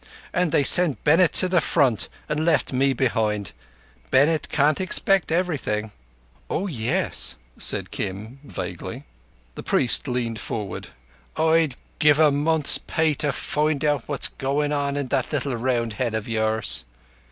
An' they sent Bennett to the Front an' left me behind. Bennett can't expect everything." "Oah yess," said Kim vaguely. The priest leaned forward. "I'd give a month's pay to find what's goin' on inside that little round head of yours."